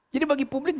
jadi bagi publik